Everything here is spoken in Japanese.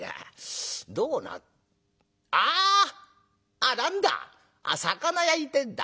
あっ何だ魚焼いてんだ。